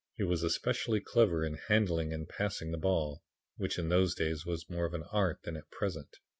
He was especially clever in handling and passing the ball, which in those days was more of an art than at present.